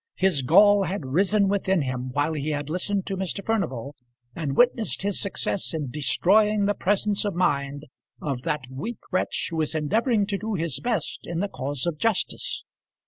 His gall had risen within him while he had listened to Mr. Furnival, and witnessed his success in destroying the presence of mind of that weak wretch who was endeavouring to do his best in the cause of justice.